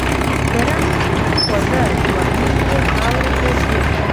د رنګ خوږه ځواني یې خاوروته ځي